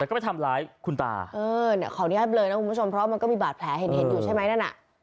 แต่ก็ไม่ทำร้ายคุณตาเออเนี่ยเขานิยมเลยนะคุณผู้ชมเพราะมันก็มีบาดแผลเห็นอยู่ใช่ไหมนั่นอ่ะ